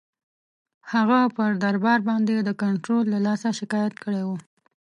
هغه پر دربار باندي د کنټرول له لاسه شکایت کړی وو.